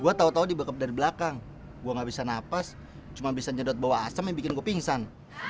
gua tau tau dibekep dari belakang gua gak bisa napas cuma bisa nyedot bawah asam yang bikin gua pingsan